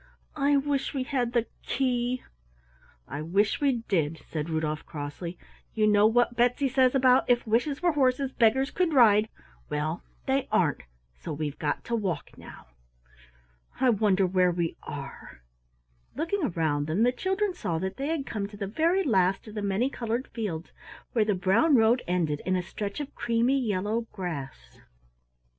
I wish we had the key!" "I wish we did," said Rudolf crossly. "You know what Betsy says about 'If wishes were horses, beggars could ride' well, they aren't, so we've got to walk now. I wonder where we are?" Looking around them, the children saw that they had come to the very last of the many colored fields, where the brown road ended in a stretch of creamy yellow grass.